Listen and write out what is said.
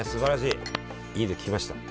いいこと聞きました。